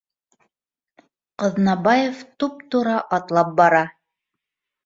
Ҡаҙнабаев туп-тура атлап бара